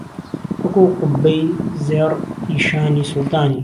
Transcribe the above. وهکوو قوببەی زێڕ ئی شانی سوڵتانی